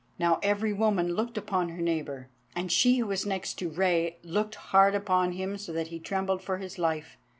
Now every woman looked upon her neighbour, and she who was next to Rei looked hard upon him so that he trembled for his life.